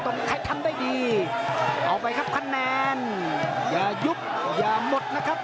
ใครทำได้ดีเอาไปครับคะแนนอย่ายุบอย่าหมดนะครับ